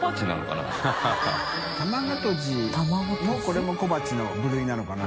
これも小鉢の部類なのかな？